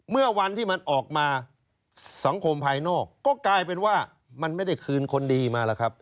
เมื่อวันที่มันออกมาสังคมภายนอกก็กลายเป็นว่ามันไม่ได้คืนคนดีมาแล้วครับ